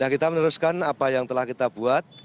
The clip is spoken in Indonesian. kita meneruskan apa yang telah kita buat